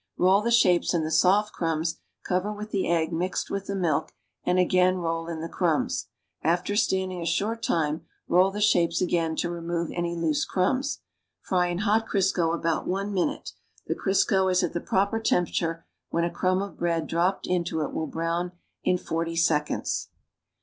Roll the shapes in the soft crumbs, cover with the egg mixed with the milk, and again roll in the crumbs. After standing a short time, roll the shapes again to remove any loose crumbs. Fry in hot Crisco about one minute. The Crisco is at the proper temperature when a crumb of bread dropped into it will brow'n in 40 seconds.